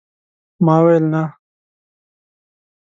ما ويل ، نه !